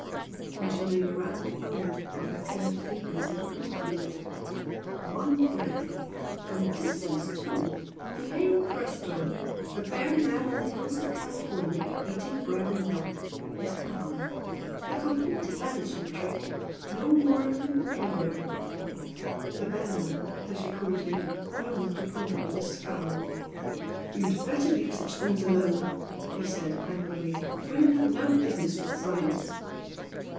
and she made a round O of her curved fingers and blew through it "One breath! from a distance, too! and hey presto! the bear man on the hills of California eating bread and milk is gone! a complete vanishing trick no more of him anywhere!" The bear man, as she called him, gloomed upon her with a scowl. "You'd better leave such things alone!" he said, angrily "Women have no business with science."